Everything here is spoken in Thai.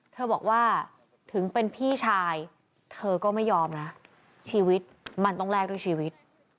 เธอบอกว่าถึงเป็นพี่ชายเธอก็ไม่ยอมนะชีวิตมันต้องแลกด้วยชีวิต